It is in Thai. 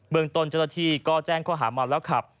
ตนเจ้าหน้าที่ก็แจ้งข้อหาเมาแล้วขับ